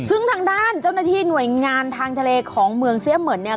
ซึ่งทางด้านเจ้าหน้าที่หน่วยงานทางทะเลของเมืองเสียเหมือนเนี่ย